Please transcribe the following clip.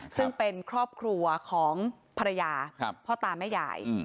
ซึ่งเป็นครอบครัวของภรรยาพ่อตาแม่ยาย